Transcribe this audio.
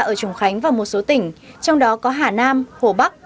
ở trùng khánh và một số tỉnh trong đó có hà nam hồ bắc